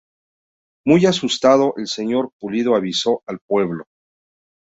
Muy asustado, el señor Pulido avisó al pueblo.